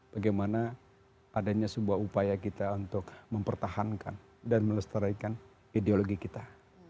bagaimana adanya sebuah upaya kita untuk mempertahankan dan melestarikan ideologi kita